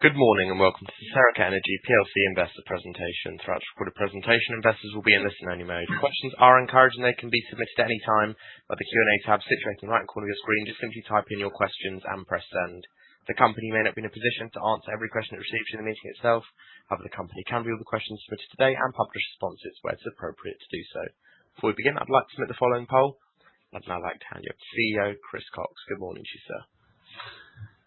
Good morning, and welcome to the Serica Energy plc investor presentation. Throughout the recorded presentation, investors will be in listen-only mode. Questions are encouraged, and they can be submitted at any time by the Q&A tab situated in the right corner of your screen. Just simply type in your questions and press Send. The company may not be in a position to answer every question it receives during the meeting itself, however, the company can view the questions submitted today and publish responses where it's appropriate to do so. Before we begin, I'd like to submit the following poll. I'd now like to hand over to CEO Chris Cox. Good morning to you, sir.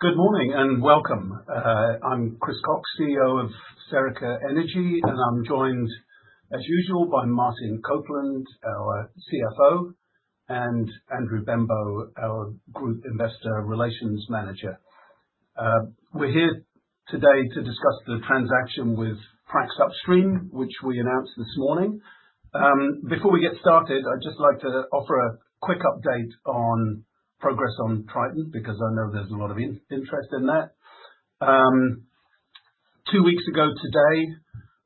Good morning and welcome. I'm Chris Cox, CEO of Serica Energy, and I'm joined, as usual, by Martin Copeland, our CFO, and Andrew Benbow, our Group Investor Relations Manager. We're here today to discuss the transaction with Prax Upstream, which we announced this morning. Before we get started, I'd just like to offer a quick update on progress on Triton, because I know there's a lot of interest in that. Two weeks ago today,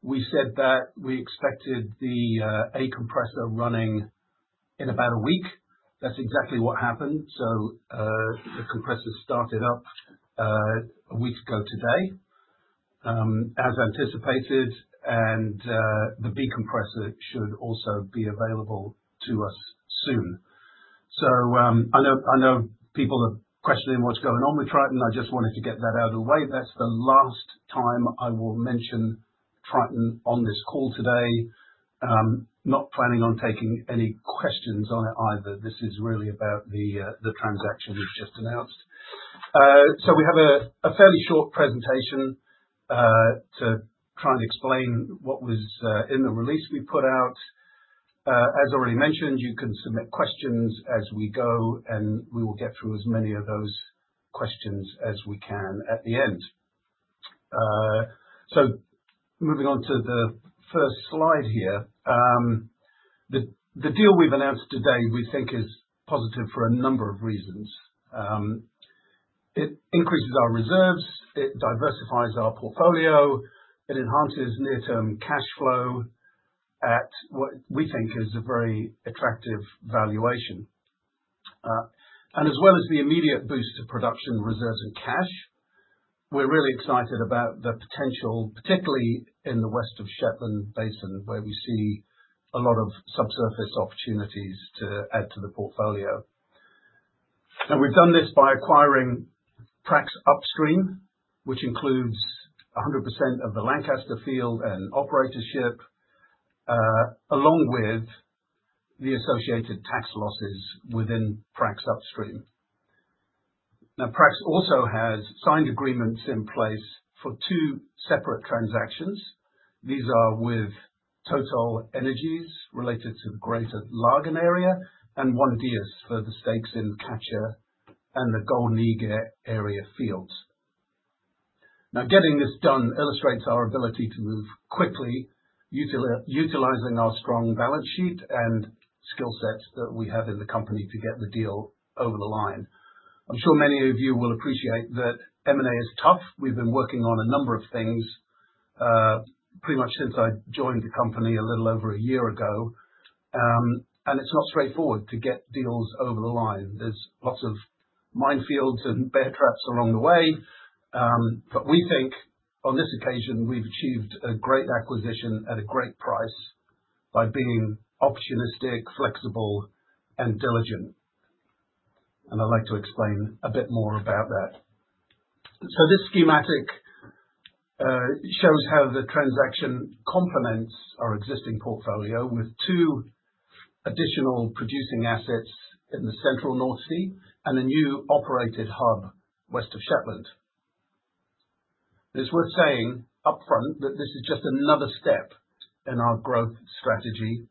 we said that we expected the A compressor running in about a week. That's exactly what happened. The compressor started up a week ago today, as anticipated, and the B compressor should also be available to us soon. I know people are questioning what's going on with Triton. I just wanted to get that out of the way. That's the last time I will mention Triton on this call today. Not planning on taking any questions on it either. This is really about the transaction we've just announced. We have a fairly short presentation to try and explain what was in the release we put out. As already mentioned, you can submit questions as we go, and we will get through as many of those questions as we can at the end. Moving on to the first slide here. The deal we've announced today we think is positive for a number of reasons. It increases our reserves, it diversifies our portfolio, it enhances near-term cash flow at what we think is a very attractive valuation. As well as the immediate boost to production reserves and cash, we're really excited about the potential, particularly in the West of Shetland Basin, where we see a lot of subsurface opportunities to add to the portfolio. We've done this by acquiring Prax Upstream, which includes 100% of the Lancaster field and operatorship, along with the associated tax losses within Prax Upstream. Now, Prax also has signed agreements in place for two separate transactions. These are with TotalEnergies related to the Greater Laggan Area, and ONE-Dyas for the stakes in Catcher and the Golden Eagle Area fields. Now, getting this done illustrates our ability to move quickly, utilizing our strong balance sheet and skill sets that we have in the company to get the deal over the line. I'm sure many of you will appreciate that M&A is tough. We've been working on a number of things pretty much since I joined the company a little over a year ago. It's not straightforward to get deals over the line. There's lots of minefields and bear traps along the way. We think on this occasion we've achieved a great acquisition at a great price by being opportunistic, flexible, and diligent. I'd like to explain a bit more about that. This schematic shows how the transaction complements our existing portfolio with two additional producing assets in the Central North Sea and a new operated hub West of Shetland. It is worth saying upfront that this is just another step in our growth strategy,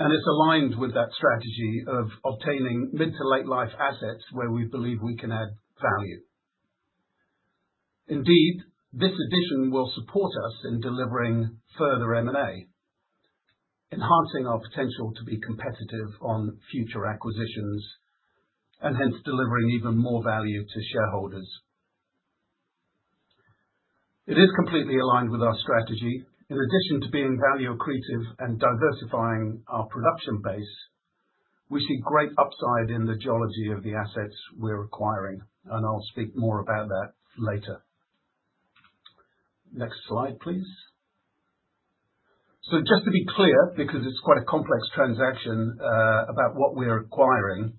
and it's aligned with that strategy of obtaining mid to late life assets where we believe we can add value. Indeed, this addition will support us in delivering further M&A, enhancing our potential to be competitive on future acquisitions, and hence delivering even more value to shareholders. It is completely aligned with our strategy. In addition to being value accretive and diversifying our production base, we see great upside in the geology of the assets we're acquiring, and I'll speak more about that later. Next slide, please. Just to be clear, because it's quite a complex transaction, about what we're acquiring,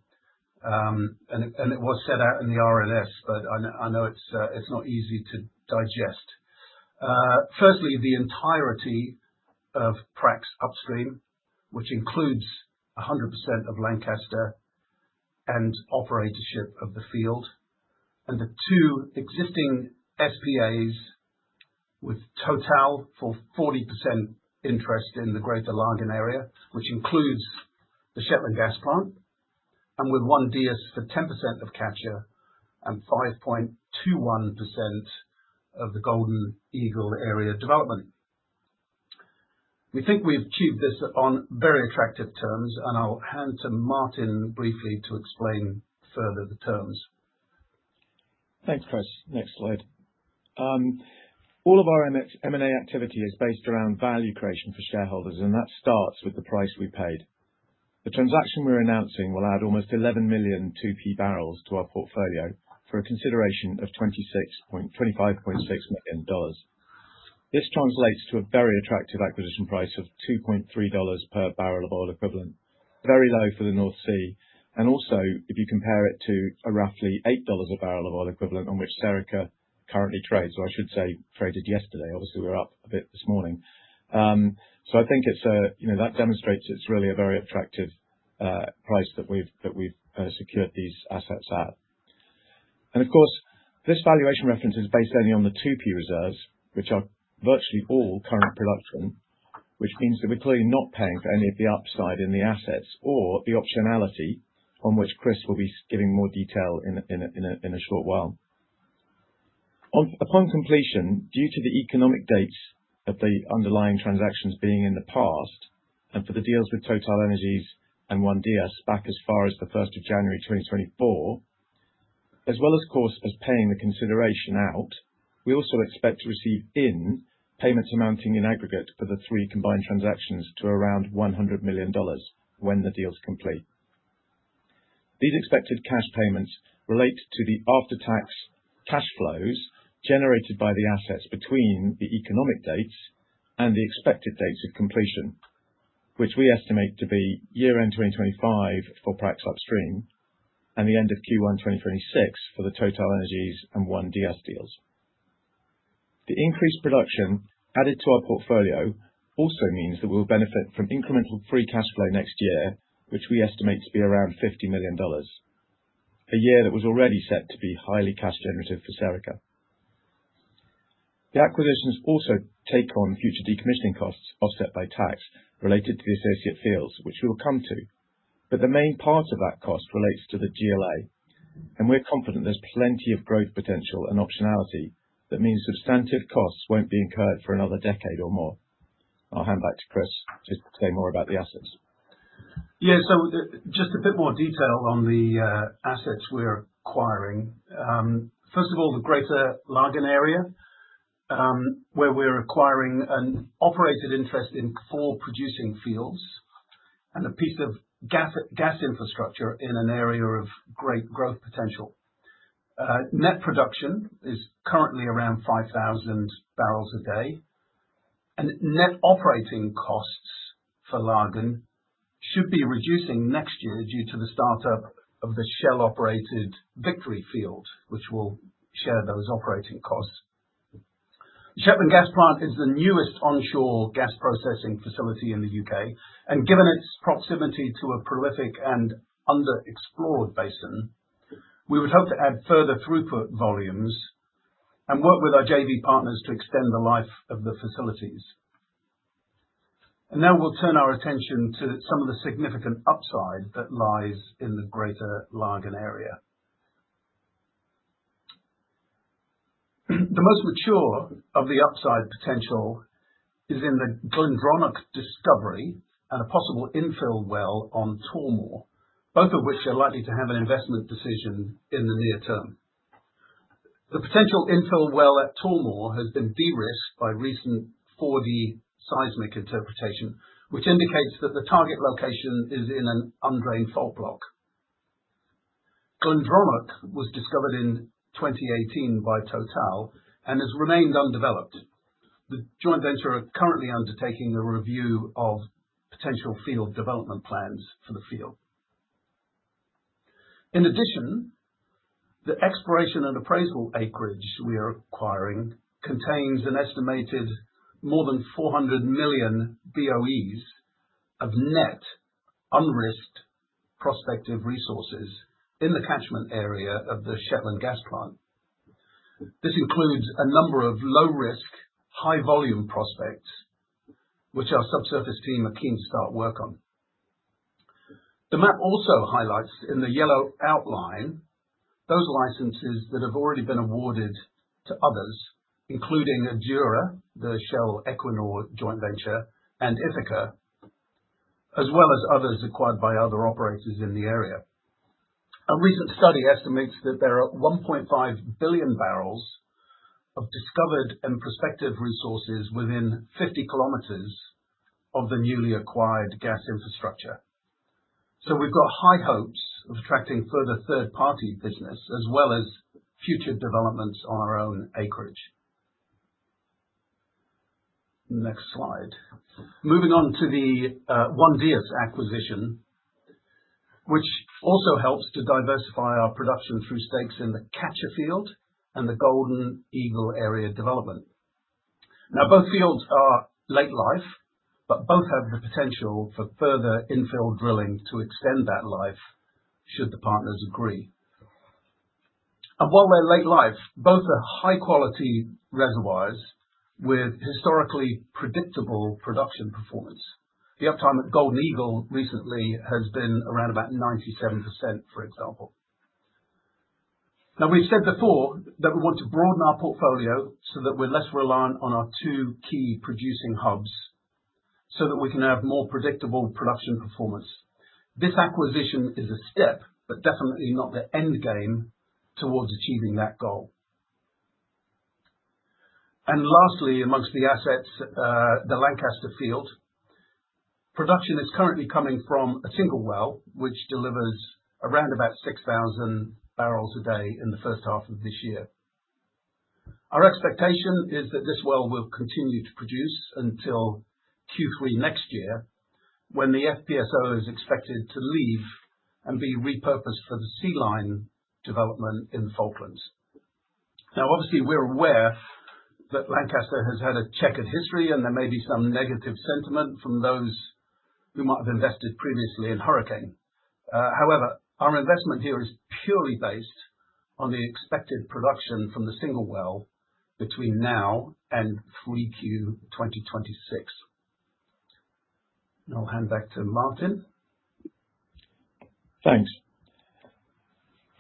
and it was set out in the RNS, but I know it's not easy to digest. Firstly, the entirety of Prax Upstream, which includes 100% of Lancaster and operatorship of the field. The two existing SPAs with Total for 40% interest in the Greater Laggan area, which includes the Shetland Gas Plant, and with ONE-Dyas for 10% of Catcher and 5.21% of the Golden Eagle area development. We think we've achieved this on very attractive terms, and I'll hand to Martin briefly to explain further the terms. Thanks, Chris. Next slide. All of our M&A activity is based around value creation for shareholders, and that starts with the price we paid. The transaction we're announcing will add almost 11 million 2P barrels to our portfolio for a consideration of $25.6 million. This translates to a very attractive acquisition price of $2.3 per barrel of oil equivalent. Very low for the North Sea, and also if you compare it to a roughly $8 a barrel of oil equivalent on which Serica currently trades, or I should say traded yesterday. Obviously, we're up a bit this morning. I think it's, you know, that demonstrates it's really a very attractive price that we've secured these assets at. Of course, this valuation reference is based only on the 2P reserves, which are virtually all current production, which means that we're clearly not paying for any of the upside in the assets or the optionality on which Chris will be giving more detail in a short while. Upon completion, due to the economic dates of the underlying transactions being in the past, and for the deals with TotalEnergies and ONE-Dyas back as far as the first of January 2024, as well as, of course, as paying the consideration out, we also expect to receive in payments amounting in aggregate for the three combined transactions to around $100 million when the deal's complete. These expected cash payments relate to the after-tax cash flows generated by the assets between the economic dates and the expected dates of completion, which we estimate to be year-end 2025 for Prax Upstream and the end of Q1 2026 for the TotalEnergies and ONE-Dyas deals. The increased production added to our portfolio also means that we'll benefit from incremental free cash flow next year, which we estimate to be around $50 million. A year that was already set to be highly cash generative for Serica. The acquisitions also take on future decommissioning costs offset by tax related to the associate fields, which we'll come to. The main part of that cost relates to the GLA, and we're confident there's plenty of growth potential and optionality that means substantive costs won't be incurred for another decade or more. I'll hand back to Chris just to say more about the assets. Yeah. Just a bit more detail on the assets we're acquiring. First of all, the Greater Laggan Area, where we're acquiring an operated interest in four producing fields and a piece of gas infrastructure in an area of great growth potential. Net production is currently around 5,000 barrels a day, and net operating costs for Laggan should be reducing next year due to the start-up of the Shell-operated Victory Field, which will share those operating costs. Shetland Gas Plant is the newest onshore gas processing facility in the U.K., and given its proximity to a prolific and underexplored basin, we would hope to add further throughput volumes and work with our JV partners to extend the life of the facilities. Now we'll turn our attention to some of the significant upside that lies in the Greater Laggan Area. The most mature of the upside potential is in the Glendronach discovery and a possible infill well on Tormore, both of which are likely to have an investment decision in the near term. The potential infill well at Tormore has been de-risked by recent 4D seismic interpretation, which indicates that the target location is in an undrained fault block. Glendronach was discovered in 2018 by Total and has remained undeveloped. The joint venture are currently undertaking a review of potential field development plans for the field. In addition, the exploration and appraisal acreage we are acquiring contains an estimated more than 400 million BOEs of net, unrisked prospective resources in the catchment area of the Shetland Gas Plant. This includes a number of low-risk, high-volume prospects, which our subsurface team are keen to start work on. The map also highlights, in the yellow outline, those licenses that have already been awarded to others, including Adura, the Shell Equinor joint venture, and Ithaca, as well as others acquired by other operators in the area. A recent study estimates that there are 1.5 billion barrels of discovered and prospective resources within 50 kilometers of the newly acquired gas infrastructure. We've got high hopes of attracting further third-party business as well as future developments on our own acreage. Next slide. Moving on to the ONE-Dyas acquisition, which also helps to diversify our production through stakes in the Catcher field and the Golden Eagle Area development. Now, both fields are late life, but both have the potential for further infill drilling to extend that life, should the partners agree. While they're late life, both are high-quality reservoirs with historically predictable production performance. The uptime at Golden Eagle recently has been around about 97%, for example. Now, we've said before that we want to broaden our portfolio so that we're less reliant on our two key producing hubs, so that we can have more predictable production performance. This acquisition is a step, but definitely not the end game towards achieving that goal. Lastly, among the assets, the Lancaster field, production is currently coming from a single well, which delivers around about 6,000 barrels a day in the first half of this year. Our expectation is that this well will continue to produce until Q3 next year, when the FPSO is expected to leave and be repurposed for the Sea Lion development in the Falklands. Now, obviously we're aware that Lancaster has had a checkered history, and there may be some negative sentiment from those who might have invested previously in Hurricane Energy. However, our investment here is purely based on the expected production from the single well between now and 3Q 2026. Now I'll hand back to Martin. Thanks.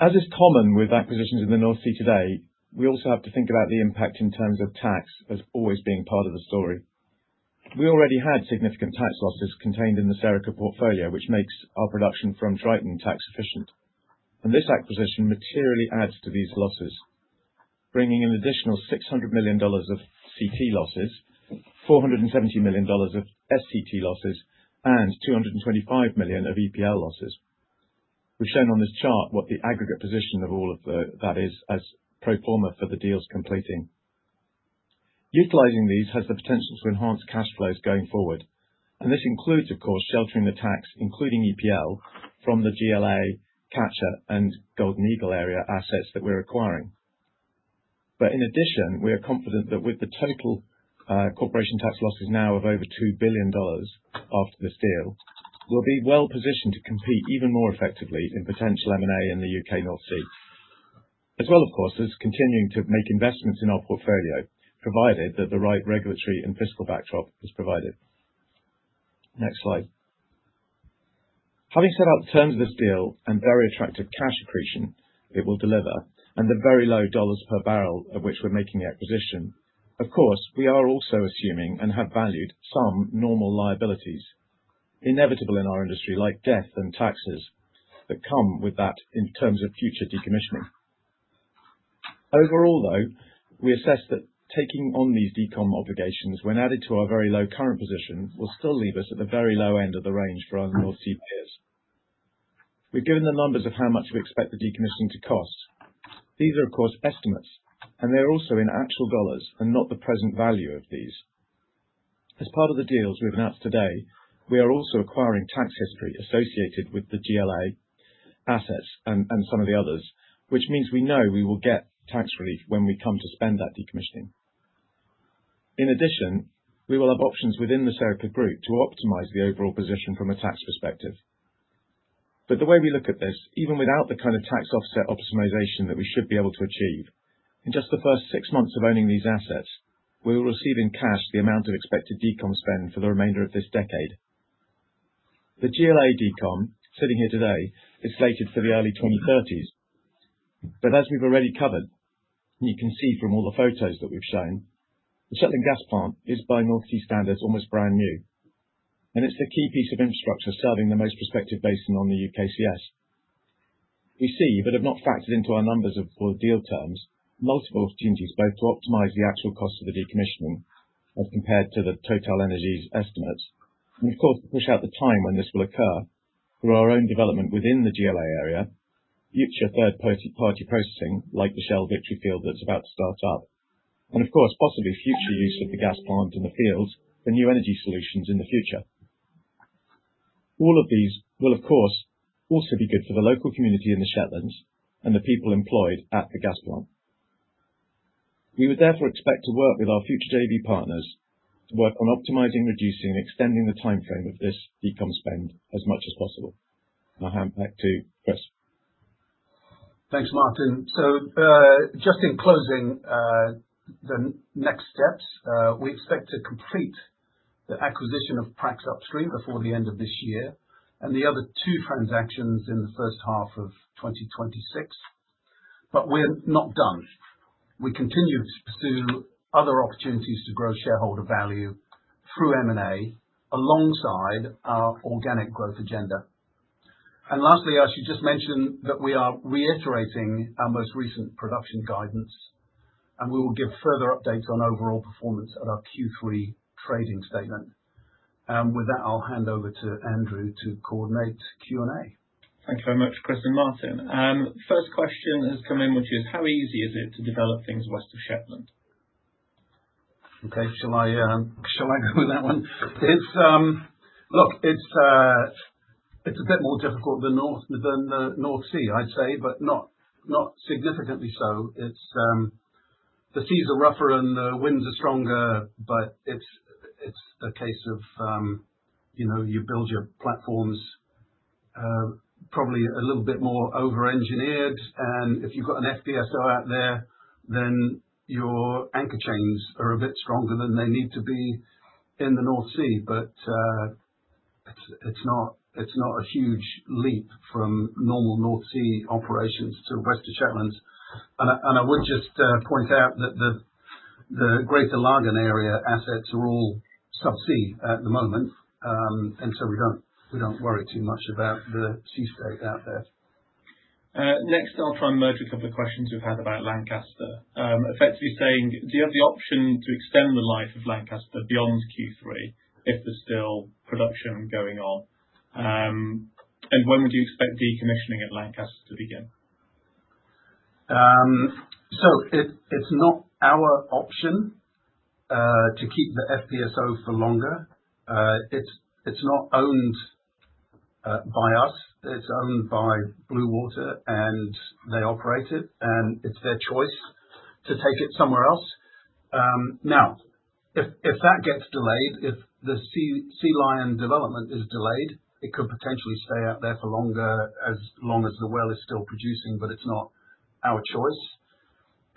As is common with acquisitions in the North Sea today, we also have to think about the impact in terms of tax as always being part of the story. We already had significant tax losses contained in the Serica portfolio, which makes our production from Triton tax efficient. This acquisition materially adds to these losses, bringing an additional $600 million of CT losses, $470 million of SCT losses, and $225 million of EPL losses. We've shown on this chart what the aggregate position of all of that is as pro forma for the deals completing. Utilizing these has the potential to enhance cash flows going forward. This includes, of course, sheltering the tax, including EPL, from the GLA, Catcher, and Golden Eagle area assets that we're acquiring. In addition, we are confident that with the total corporation tax losses now of over $2 billion after this deal, we'll be well positioned to compete even more effectively in potential M&A in the U.K. North Sea. As well, of course, as continuing to make investments in our portfolio, provided that the right regulatory and fiscal backdrop is provided. Next slide. Having set out the terms of this deal and very attractive cash accretion it will deliver, and the very low $ per barrel at which we're making the acquisition, of course, we are also assuming and have valued some normal liabilities inevitable in our industry, like debt and taxes, that come with that in terms of future decommissioning. Overall, though, we assess that taking on these Decommissioning obligations, when added to our very low current position, will still leave us at the very low end of the range for our North Sea peers. We're given the numbers of how much we expect the decommissioning to cost. These are, of course, estimates, and they're also in actual dollars and not the present value of these. As part of the deals we've announced today, we are also acquiring tax history associated with the GLA assets and some of the others, which means we know we will get tax relief when we come to spend that decommissioning. In addition, we will have options within the Serica group to optimize the overall position from a tax perspective. The way we look at this, even without the kind of tax offset optimization that we should be able to achieve, in just the first six months of owning these assets, we will receive in cash the amount of expected Decommissioning spend for the remainder of this decade. The GLA Decommissioning sitting here today is slated for the early 2030s, but as we've already covered, you can see from all the photos that we've shown, the Shetland Gas Plant is by North Sea standards almost brand new, and it's the key piece of infrastructure serving the most prospective basin on the UKCS. We see, but have not factored into our numbers yet for the deal terms, multiple opportunities both to optimize the actual cost of the decommissioning, as compared to the TotalEnergies' estimates, and of course, to push out the time when this will occur through our own development within the GLA area, future third-party processing, like the Shell Victory field that's about to start up. Of course, possibly future use of the gas plant in the field for new energy solutions in the future. All of these will, of course, also be good for the local community in the Shetlands and the people employed at the gas plant. We would therefore expect to work with our future JV partners to work on optimizing, reducing, and extending the timeframe of this decommissioning spend as much as possible. I'll hand back to Chris. Thanks, Martin. Just in closing, the next steps, we expect to complete the acquisition of Prax Upstream before the end of this year and the other two transactions in the first half of 2026. We're not done. We continue to pursue other opportunities to grow shareholder value through M&A alongside our organic growth agenda. Lastly, I should just mention that we are reiterating our most recent production guidance, and we will give further updates on overall performance at our Q3 trading statement. With that, I'll hand over to Andrew to coordinate Q&A. Thank you very much, Chris and Martin. First question has come in, which is, how easy is it to develop things West of Shetland? Okay. Shall I go with that one? Look, it's a bit more difficult than the North Sea, I'd say, but not significantly so. It's the seas are rougher and the winds are stronger, but it's a case of, you know, you build your platforms, probably a little bit more overengineered. If you've got an FPSO out there, then your anchor chains are a bit stronger than they need to be in the North Sea. It's not a huge leap from normal North Sea operations to West of Shetland. I would just point out that the Greater Laggan Area assets are all sub-sea at the moment. We don't worry too much about the sea state out there. Next I'll try and merge a couple of questions we've had about Lancaster. Effectively saying, do you have the option to extend the life of Lancaster beyond Q3 if there's still production going on? And when would you expect decommissioning at Lancaster to begin? It's not our option to keep the FPSO for longer. It's not owned by us. It's owned by Bluewater, and they operate it, and it's their choice to take it somewhere else. If that gets delayed, if the Sea Lion development is delayed, it could potentially stay out there for longer, as long as the well is still producing. It's not our choice.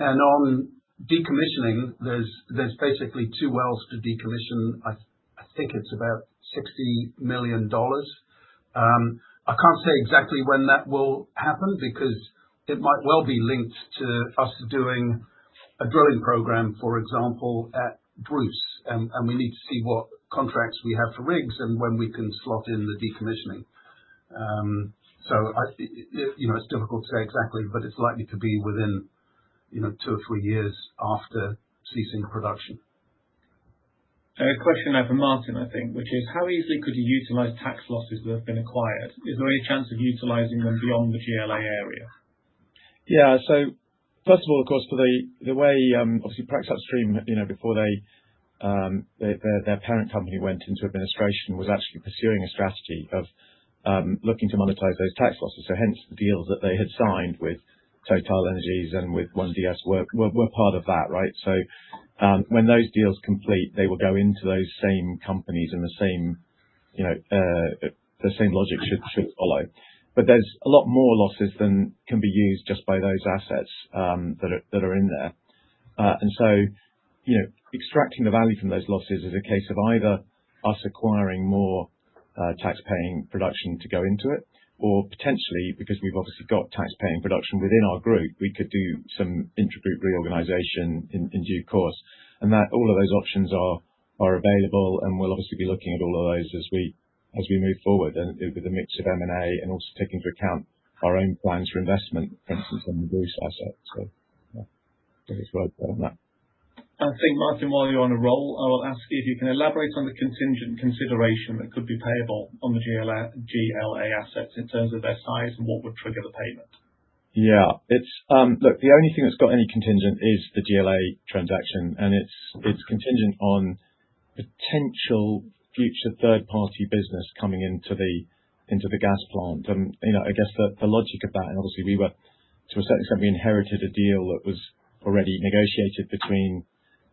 On decommissioning, there's basically two wells to decommission. I think it's about $60 million. I can't say exactly when that will happen because it might well be linked to us doing a drilling program, for example, at Bruce. We need to see what contracts we have for rigs and when we can slot in the decommissioning. You know, it's difficult to say exactly, but it's likely to be within, you know, two or three years after ceasing production. I have a question now for Martin, I think, which is how easily could you utilize tax losses that have been acquired? Is there any chance of utilizing them beyond the GLA area? Yeah. First of all, of course, for the way, obviously Prax Upstream, you know, before they, their parent company went into administration, was actually pursuing a strategy of looking to monetize those tax losses. Hence the deals that they had signed with TotalEnergies and with ONE-Dyas were part of that, right? When those deals complete, they will go into those same companies and the same, you know, the same logic should follow. There's a lot more losses than can be used just by those assets that are in there. You know, extracting the value from those losses is a case of either us acquiring more tax paying production to go into it or potentially, because we've obviously got tax paying production within our group, we could do some intergroup reorganization in due course. That all of those options are available, and we'll obviously be looking at all of those as we move forward and with a mix of M&A and also take into account our own plans for investment, for instance, on the Bruce asset. Yeah. I think it's worthwhile on that. I think, Martin, while you're on a roll, I'll ask you if you can elaborate on the contingent consideration that could be payable on the GLA assets in terms of their size and what would trigger the payment? Yeah. Look, the only thing that's got any contingent is the GLA transaction, and it's contingent on potential future third party business coming into the gas plant. You know, I guess the logic of that, and obviously we were, to a certain extent, we inherited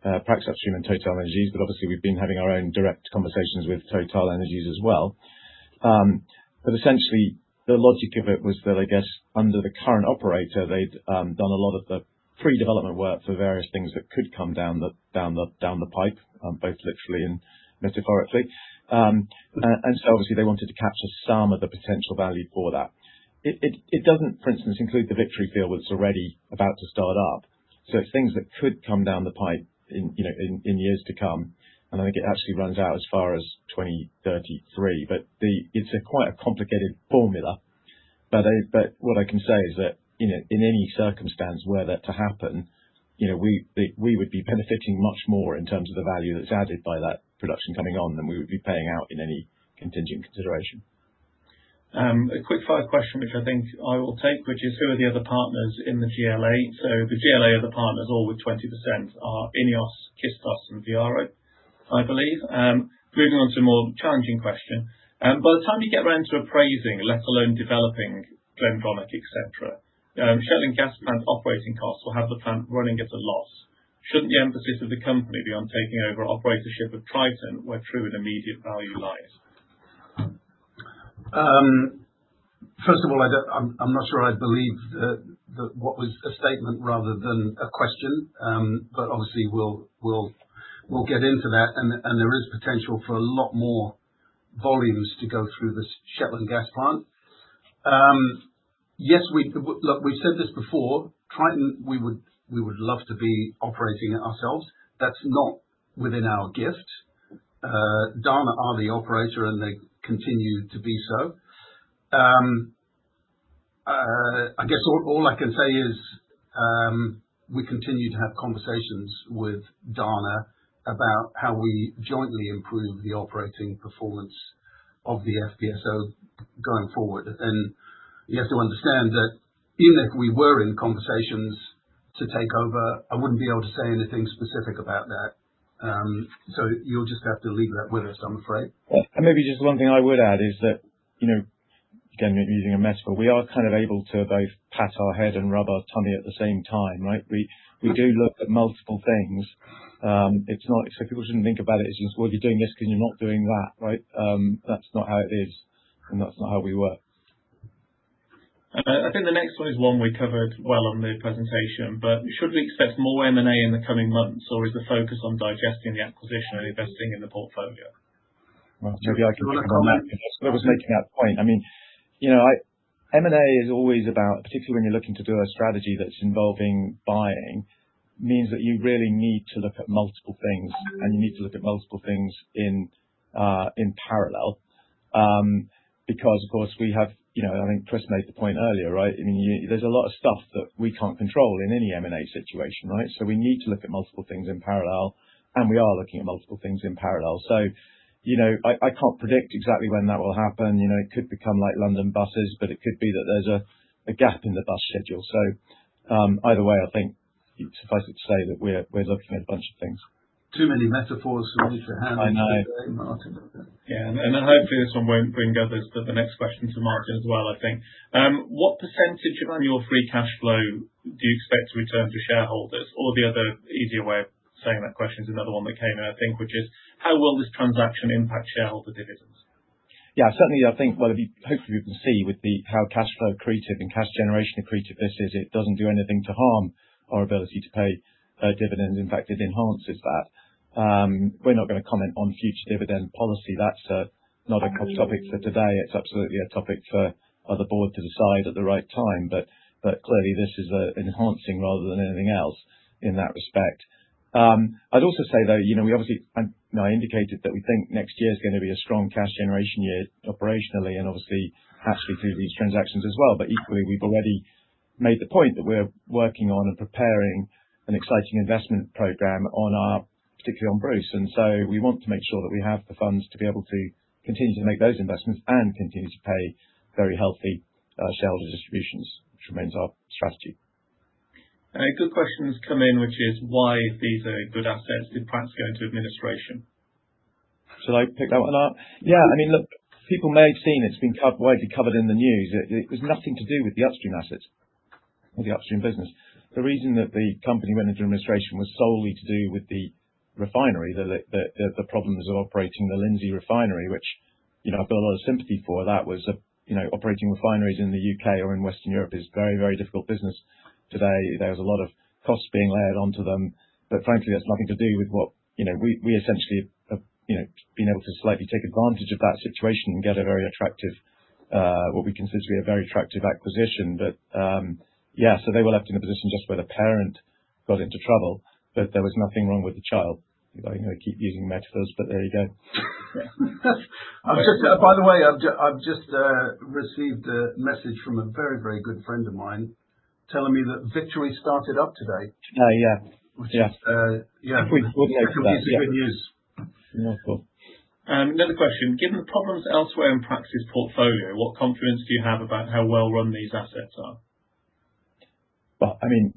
a deal that was already negotiated between Prax Upstream and TotalEnergies, but obviously we've been having our own direct conversations with TotalEnergies as well. Essentially the logic of it was that, I guess under the current operator, they'd done a lot of the pre-development work for various things that could come down the pipe, both literally and metaphorically. So obviously they wanted to capture some of the potential value for that. It doesn't, for instance, include the Victory field that's already about to start up. It's things that could come down the pipe in, you know, years to come. I think it actually runs out as far as 2033. It's quite a complicated formula. What I can say is that, you know, in any circumstance were that to happen, you know, we would be benefiting much more in terms of the value that's added by that production coming on than we would be paying out in any contingent consideration. A quick fire question, which I think I will take, which is who are the other partners in the GLA? The GLA other partners, all with 20% are Ineos, Kistos and Viaro, I believe. Moving on to a more challenging question. By the time you get around to appraising, let alone developing Glendronach, et cetera, Shetland Gas Plant operating costs will have the plant running at a loss. Shouldn't the emphasis of the company be on taking over operatorship of Triton, where true and immediate value lies? First of all, I'm not sure I believed what was a statement rather than a question. Obviously we'll get into that and there is potential for a lot more volumes to go through the Shetland Gas Plant. Look, we've said this before, Triton, we would love to be operating it ourselves. That's not within our gift. Dana are the operator, and they continue to be so. I guess all I can say is, we continue to have conversations with Dana about how we jointly improve the operating performance of the FPSO going forward. You have to understand that even if we were in conversations to take over, I wouldn't be able to say anything specific about that. You'll just have to leave that with us, I'm afraid. Maybe just one thing I would add is that, you know, again, using a metaphor, we are kind of able to both pat our head and rub our tummy at the same time, right? We do look at multiple things. So if people didn't think about it's just, well, you're doing this and you're not doing that, right? That's not how it is, and that's not how we work. I think the next one is one we covered well on the presentation. Should we expect more M&A in the coming months, or is the focus on digesting the acquisition or investing in the portfolio? Well, maybe I can. Do you want to comment? I was making that point. I mean, you know, M&A is always about, particularly when you're looking to do a strategy that's involving buying means that you really need to look at multiple things, and you need to look at multiple things in parallel. Because, of course, we have, you know, and I think Chris made the point earlier, right? I mean, there's a lot of stuff that we can't control in any M&A situation, right? We need to look at multiple things in parallel, and we are looking at multiple things in parallel. You know, I can't predict exactly when that will happen. You know, it could become like London buses, but it could be that there's a gap in the bus schedule. Either way, I think it suffices to say that we're looking at a bunch of things. Too many metaphors for me to handle. I know. Martin, but. Yeah. Hopefully this one won't bring others, but the next question is for Martin as well, I think. What percentage of your free cash flow do you expect to return to shareholders? Or the other easier way of saying that question is another one that came in, I think, which is, how will this transaction impact shareholder dividends? Yeah. Certainly, I think, well, if you hopefully can see how cash flow accretive and cash generation accretive this is, it doesn't do anything to harm our ability to pay dividends. In fact, it enhances that. We're not gonna comment on future dividend policy. That's not a topic for today. It's absolutely a topic for other board to decide at the right time. Clearly this is enhancing rather than anything else in that respect. I'd also say, though, you know, we obviously, and I indicated that we think next year is gonna be a strong cash generation year operationally, and obviously partially through these transactions as well. Equally, we've already made the point that we're working on and preparing an exciting investment program on our, particularly on Bruce. We want to make sure that we have the funds to be able to continue to make those investments and continue to pay very healthy shareholder distributions, which remains our strategy. A good question has come in, which is why, if these are good assets, did Prax go into administration? Should I pick that one up? Yeah. I mean, look, people may have seen it's been widely covered in the news. It was nothing to do with the upstream assets or the upstream business. The reason that the company went into administration was solely to do with the refinery. The problems of operating the Lindsey Oil Refinery, which, you know, I've got a lot of sympathy for that. Was, you know, operating refineries in the U.K. or in Western Europe is very, very difficult business today. There's a lot of costs being layered onto them. Frankly, that's nothing to do with what, you know, we essentially have, you know, been able to slightly take advantage of that situation and get a very attractive, what we consider to be a very attractive acquisition. Yeah. They were left in a position just where the parent got into trouble, but there was nothing wrong with the child. I'm gonna keep using metaphors, but there you go. By the way, I've just received a message from a very, very good friend of mine telling me that Victory started up today. Which is, yeah. It's good news for them. It's obviously good news. Yeah, of course. Another question: Given the problems elsewhere in Prax's portfolio, what confidence do you have about how well run these assets are? Well, I mean,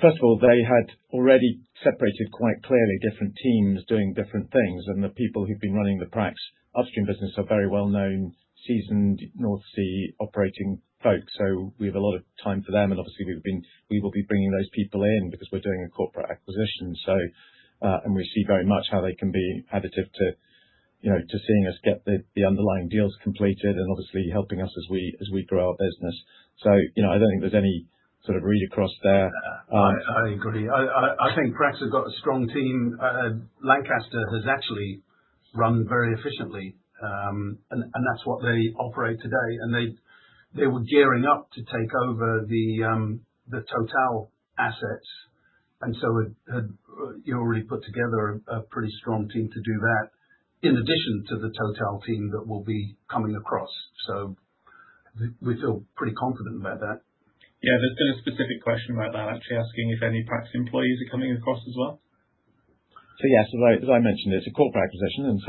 first of all, they had already separated quite clearly different teams doing different things. The people who've been running the Prax Upstream business are very well-known, seasoned North Sea operating folks. We have a lot of time for them, and obviously we will be bringing those people in because we're doing a corporate acquisition. We see very much how they can be additive to, you know, to seeing us get the underlying deals completed and obviously helping us as we grow our business. You know, I don't think there's any sort of read across there. I agree. I think Prax has got a strong team. Lancaster has actually run very efficiently. That's what they operate today. They were gearing up to take over the Total assets. Had you already put together a pretty strong team to do that in addition to the Total team that will be coming across. We feel pretty confident about that. Yeah. There's been a specific question about that actually asking if any Prax employees are coming across as well. Yes, as I mentioned, it's a core acquisition.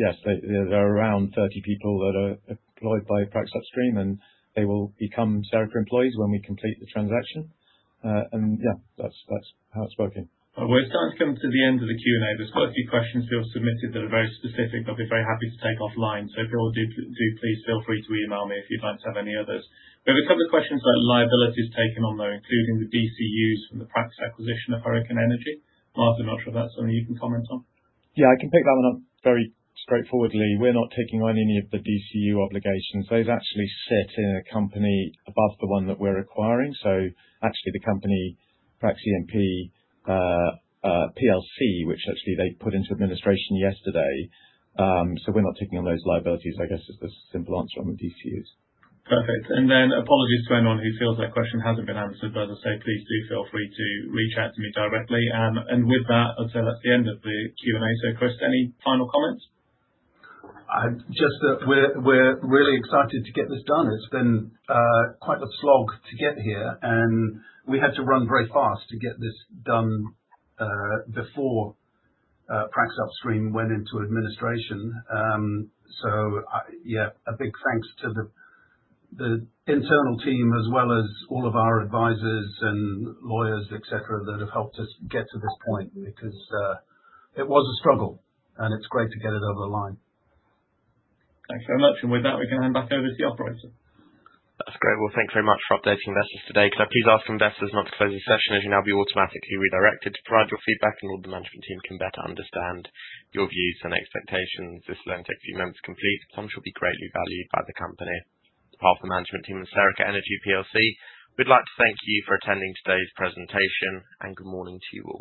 Yes, there are around 30 people that are employed by Prax Upstream, and they will become Serica employees when we complete the transaction. Yeah, that's how it's working. Well, we're starting to come to the end of the Q&A. There's quite a few questions that were submitted that are very specific that we'd be very happy to take offline. If you all do please feel free to email me if you'd like to have any others. There were a couple of questions on liabilities taken on, though, including the DCUs from the Prax acquisition of Hurricane Energy. Martin, not sure if that's something you can comment on. Yeah, I can pick that one up very straightforwardly. We're not taking on any of the DCU obligations. Those actually sit in a company above the one that we're acquiring. Actually the company, Prax Group PLC, which actually they put into administration yesterday. We're not taking on those liabilities, I guess is the simple answer on the DCUs. Perfect. Apologies to anyone who feels their question hasn't been answered. As I said, please do feel free to reach out to me directly. With that, I'd say that's the end of the Q&A. Chris, any final comments? Just that we're really excited to get this done. It's been quite the slog to get here, and we had to run very fast to get this done before Prax Upstream went into administration. Yeah, a big thanks to the internal team as well as all of our advisors and lawyers, et cetera, that have helped us get to this point because it was a struggle and it's great to get it over the line. Thanks so much. With that, we're going back over to the operator. That's great. Well, thank you very much for updating investors today. Could I please ask investors not to close the session as you'll now be automatically redirected to provide your feedback and all the management team can better understand your views and expectations. This will only take a few moments to complete. Your response will be greatly valued by the company. On behalf of the management team of Serica Energy plc, we'd like to thank you for attending today's presentation, and good morning to you all.